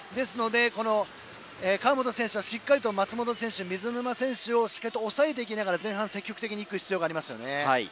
この川本選手はしっかりと松元選手と水沼選手をしっかりと抑えていきながら前半、積極的に行く必要がありますね。